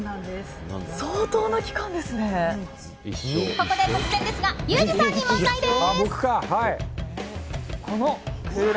ここで突然ですがユージさんに問題です。